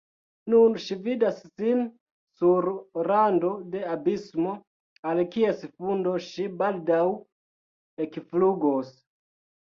Nun ŝi vidas sin sur rando de abismo, al kies fundo ŝi baldaŭ ekflugos.